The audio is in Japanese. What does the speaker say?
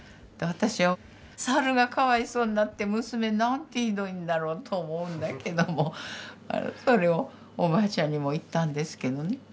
私は猿がかわいそうになって娘なんてひどいんだろうと思うんだけどもそれをおばあちゃんにも言ったんですけどね。